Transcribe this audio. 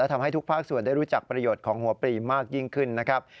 ทำให้ทุกภาคส่วนได้รู้จักประโยชน์ของหัวปรีมากยิ่งขึ้นนะครับ